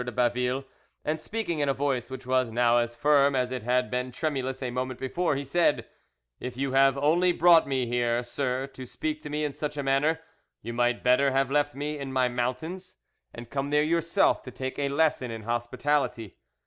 de Baville, and speaking in a voice which was now as firm as it had been tremulous a moment before, he said, "If you have only brought me here, sir, to speak to me in such a manner, you might better have left me in my mountains, and come there yourself to take a lesson in hospitality.